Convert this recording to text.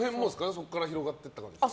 そこから広がっていったんですか。